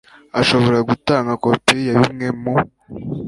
ashobora gutanga kopi ya bimwe mu